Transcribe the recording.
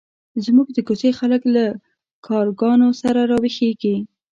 زموږ د کوڅې خلک له کارګانو سره راویښېږي.